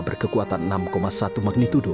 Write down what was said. berkekuatan enam satu magnitudo